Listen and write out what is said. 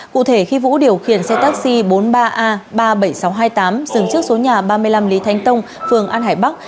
cụ thể khi vũ điều khiển xe taxi bốn mươi ba a ba mươi bảy nghìn sáu trăm hai mươi tám dừng trước số nhà ba mươi năm lý thanh tông phường an hải bắc